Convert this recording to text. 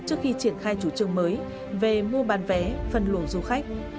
trước khi triển khai chủ trương mới về mua bán vé phân luồng du khách